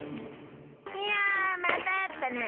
いやまたあったな！